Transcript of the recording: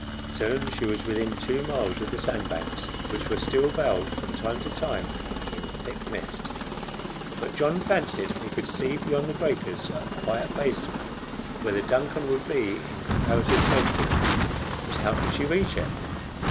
Soon she was within two miles of the sand banks, which were still veiled from time to time in thick mist. But John fancied he could see beyond the breakers a quiet basin, where the DUNCAN would be in comparative safety. But how could she reach it?